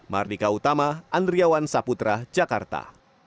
mardika utama andriawan saputra jakarta